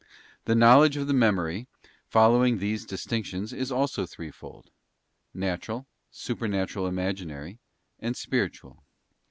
The knowledge of the Memory, following these distinctions, is also threefold: Natural, Supernatural Imaginary, and Spiritual.